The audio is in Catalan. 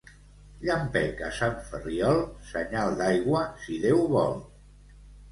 Llampec a Sant Ferriol, senyal d'aigua, si Déu vol.